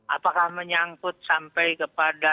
apakah menyangkut sampai kepada